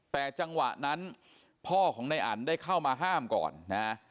แต่จังหวะนั้นพ่อของนายอันได้เข้ามาห้ามก่อนนะ